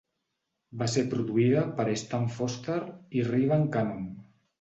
Va ser produïda per Stan Foster i Reuben Cannon.